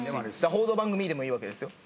「報道番組」でもいいわけですよ。